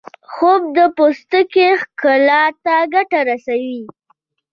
خوب د پوستکي ښکلا ته ګټه رسوي